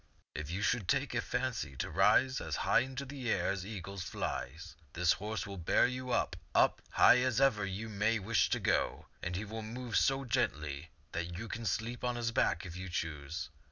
If you should take a fancy to rise as high in the air as the eagle flies, this horse will bear you up, up, as high as ever you may wish to go ; and he will move so gently that you can sleep on his back if you choose.